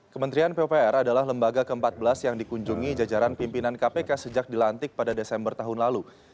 kementerian pupr adalah lembaga ke empat belas yang dikunjungi jajaran pimpinan kpk sejak dilantik pada desember tahun lalu